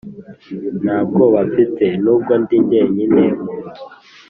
nta bwoba mfite, nubwo ndi njyenyine munzu